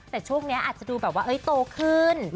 แต่ช่วงนี้อาจจะดูแบบว่าโตขึ้น